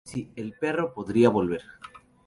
Olle le pregunta a su madre si el "perro" podría volver.